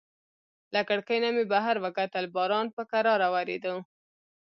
له کړکۍ نه مې بهر وکتل، باران په کراره وریده.